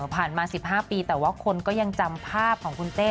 มา๑๕ปีแต่ว่าคนก็ยังจำภาพของคุณเต้